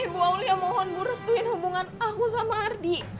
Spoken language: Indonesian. ibu auli yang mohon gue restuin hubungan aku sama ardi